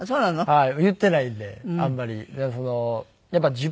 はい。